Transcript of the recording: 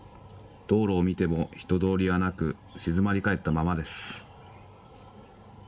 道路を見ても人通りはなく、静まり返ったままです。